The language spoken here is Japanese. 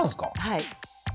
はい。